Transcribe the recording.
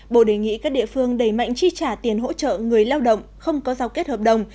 bộ đề nghị các địa phương đẩy mạnh chi trả tiền hỗ trợ người lao động không có giao kết hợp đồng